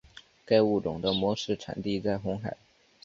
该物种的模式产地在红海。